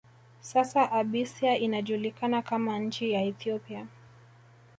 Sasa Abysia inajulikana kama nchi ya Ethiopia